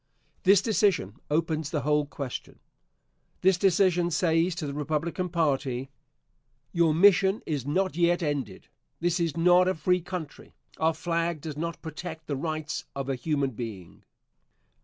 This decision opens the whole question. This decision says to the Republican party, "Your mission is not yet ended. This is not a free country. Our flag does not protect the rights of a human being."